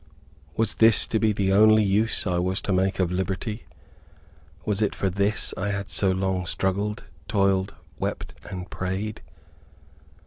Was this to be the only use I was to make of liberty? Was it for this I had so long struggled, toiled, wept and prayed?